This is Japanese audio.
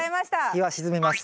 日は沈みます。